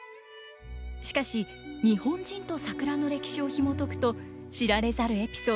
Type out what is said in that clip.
しかし日本人と桜の歴史をひもとくと知られざるエピソードが満載。